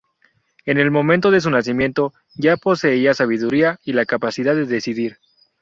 En el momento de su nacimiento ya poseía sabiduría y la capacidad de decidir.